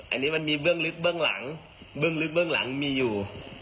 อันนี้มันมีเบื้องลึกเบื้องหลังเบื้องลึกเบื้องหลังมีอยู่